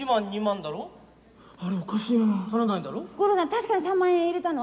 確かに３万円入れたの？